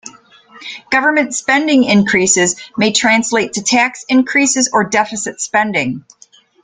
Government spending increases may translate to tax increases or deficit spending.